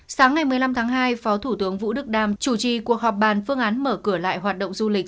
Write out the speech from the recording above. sáng ngày một mươi năm tháng hai phó thủ tướng vũ đức đam chủ trì cuộc họp bàn phương án mở cửa lại hoạt động du lịch